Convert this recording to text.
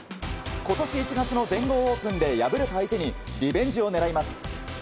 今年１月の全豪オープンで敗れた相手にリベンジを狙います。